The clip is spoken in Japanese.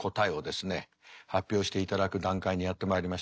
発表していただく段階にやってまいりました。